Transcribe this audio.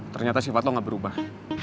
ternyata sifat lo gak berubah